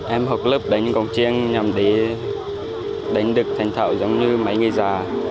em học lớp đánh cổng chiêng nhằm để đánh được thành thạo giống như mấy người già